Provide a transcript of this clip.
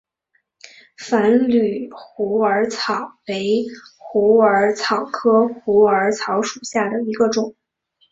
繁缕虎耳草为虎耳草科虎耳草属下的一个种。